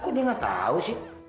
kok dia nggak tahu sih